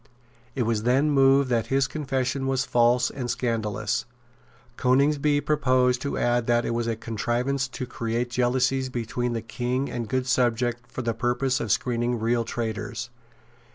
It was then moved that his confession was false and scandalous. Coningsby proposed to add that it was a contrivance to create jealousies between the King and good subjects for the purpose of screening real traitors.